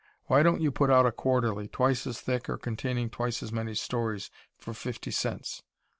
Why don't you put out a Quarterly, twice as thick or containing twice as many stories for fifty cents?